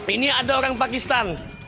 ini ada orang pakistan